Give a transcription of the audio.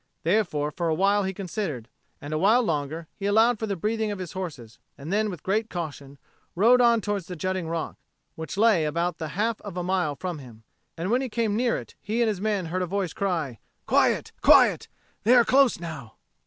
Therefore for a while he considered, and a while longer he allowed for the breathing of the horses; and then with great caution rode on towards the jutting rock, which lay about the half of a mile from him. And when he came near it, he and his men heard a voice cry, "Quiet, quiet! They are close now!"